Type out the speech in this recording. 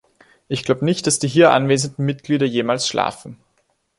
Ich glaube nicht, dass die hier anwesenden Mitglieder jemals schlafen.